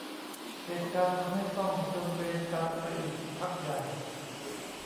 เหตุการณ์ทำให้ต้องผจญเวรกรรมไปอีกพักใหญ่